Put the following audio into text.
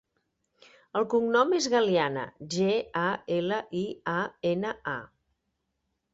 El cognom és Galiana: ge, a, ela, i, a, ena, a.